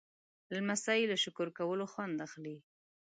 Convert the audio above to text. لمسی له شکر کولو خوند اخلي.